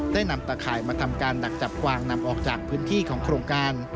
ได้นำตะข่ายมาทำการดักจับกวางนำออกจากพื้นที่ของโครงการ